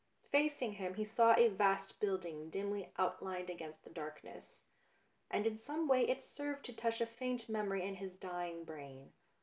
Facing him he saw a vast building dimly outlined against the darkness, and in some way it served to touch a faint memory in his dying brain.